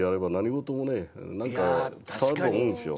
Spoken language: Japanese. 何か伝わると思うんですよ。